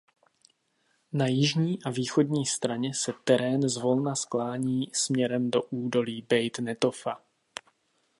Na jižní a východní straně se terén zvolna sklání směrem do údolí Bejt Netofa.